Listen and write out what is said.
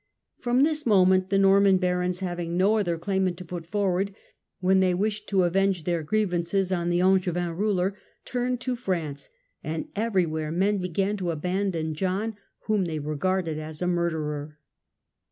From this moment the Norman barons, having no other claimant to Murder of put forward, when they wished to avenge Arthur, their grievances on the Angevin ruler, turned to France; and everywhere men began to abandon John, whom they regarded as a murderer.